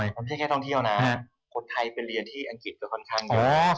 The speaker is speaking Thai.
ได้ต้องเที่ยวนะคนไทยเป็นเรียนที่อังกฤษค่อนข้าง